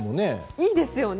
いいですよね。